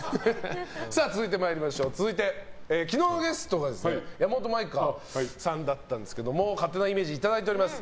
続いて、昨日のゲストが山本舞香さんだったんですけど勝手なイメージいただいております。